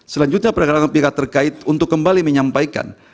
selanjutnya pergerakan pihak terkait untuk kembali menyampaikan